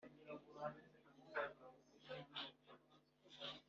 be abaturage b i sheke